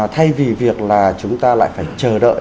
thay vì việc là chúng ta lại phải chờ đợi